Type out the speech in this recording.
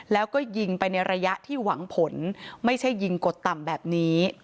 แล้วก็ยิงไปในระยะที่หวังผลไม่ใช่ยิงกดต่ำแบบนี้